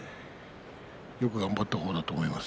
よく頑張った方だと思います。